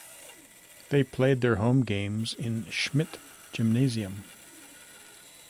They played their home games in Schmidt Gymnasium.